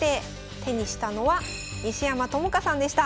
手にしたのは西山朋佳さんでした。